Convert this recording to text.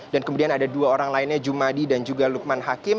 dan kemudian ada dua orang lainnya jumadi dan juga lukman hakim